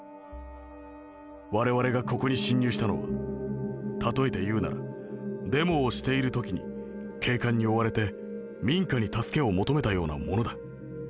我々がここに侵入したのは例えて言うならデモをしている時に警官に追われて民家に助けを求めたようなものだ。